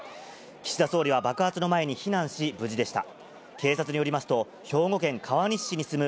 岸田総理は爆発の前に避難し、無事でした。